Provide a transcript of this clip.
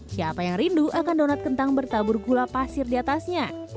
siapa yang rindu akan donat kentang bertabur gula pasir di atasnya